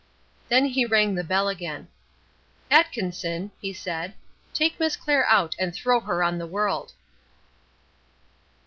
Then he rang the bell again. "Atkinson," he said, "take Miss Clair out and throw her on the world."